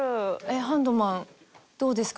ハンドマンどうですか？